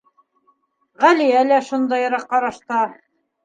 Ғәлиә лә шундайыраҡ ҡарашта.